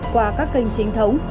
qua các kênh chính thống